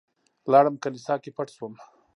لاړم کليسا کې پټ شوم.